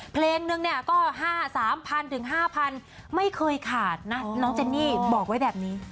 เพลงนึงเนี่ยก็๕๓๐๐ถึง๕๐๐ไม่เคยขาดนะน้องเจนนี่บอกไว้แบบนี้